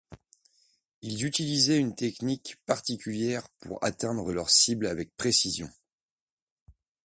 Ils utilisaient une technique particulière pour atteindre leur cible avec précision.